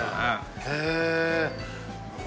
へえ